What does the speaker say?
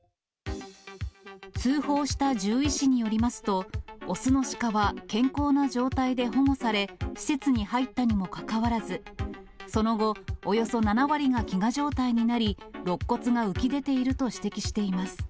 通報した獣医師によりますと、雄のシカは健康な状態で保護され、施設に入ったにもかかわらず、その後、およそ７割が飢餓状態になり、肋骨が浮き出ていると指摘しています。